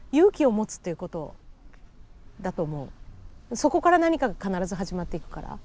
そこから何かが必ず始まっていくから。